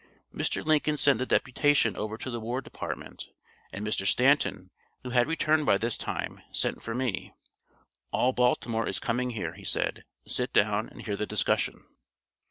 Mr. Lincoln sent the deputation over to the War Department, and Mr. Stanton, who had returned by this time, sent for me. "All Baltimore is coming here," he said. "Sit down and hear the discussion."